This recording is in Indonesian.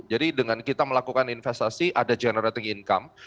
jadi dengan kita melakukan investasi ada generating income